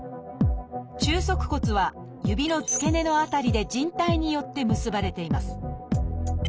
中足骨は指の付け根の辺りでじん帯によって結ばれています。